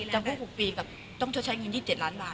จำคุก๖ปีแบบต้องชดใช้เงิน๒๗ล้านบาท